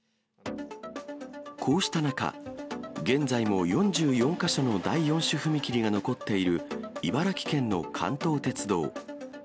こうした中、現在も４４か所の第４種踏切が残っている茨城県の関東鉄道。